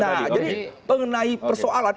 nah jadi pengenai persoalan